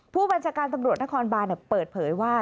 ผู้บัญชาการตำรวจนครบานเปิดเผยว่า